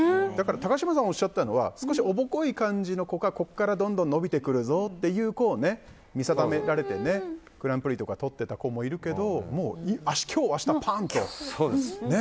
高嶋さんがおっしゃったのは少し、おぼこい感じの子がここからどんどん伸びてくるぞという子を見定められてグランプリとかとっていた子もいるけどもう今日明日、パンとね。